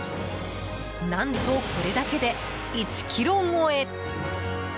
何と、これだけで１ｋｇ超え！